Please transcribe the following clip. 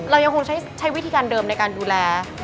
เรายังคงใช้วิธีการเดิมในการดูแล